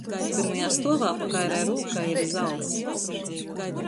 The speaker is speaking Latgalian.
Pyrmajā stuovā pa kairai rūkai ir zals.